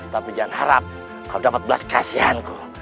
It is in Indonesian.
tapi jangan harap kau dapat belas kasihan ku